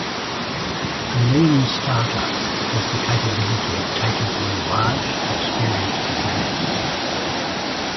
A lean startup has the capability of taking on large experienced brands.